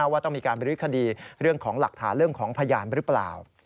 ว่าต้องมีการบริคดีเรื่องของหลักฐานเรื่องของพยานหรือเปล่า